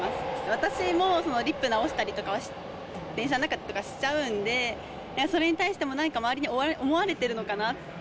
私もリップを直したりとかは電車の中でとかしちゃうんで、それに対しても、なんか周りで思われてるのかなって。